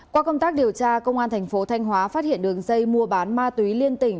qua công tác điều tra công an thành phố thanh hóa phát hiện đường dây mua bán ma túy liên tỉnh